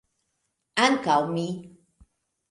Ankaŭ mi.